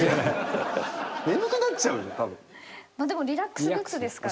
でもリラックスグッズですから。